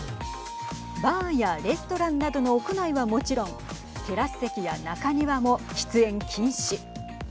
バーやレストランなどの屋内はもちろんテラス席や中庭も喫煙禁止。